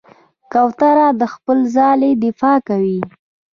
کوتره د خپل ځاله دفاع کوي.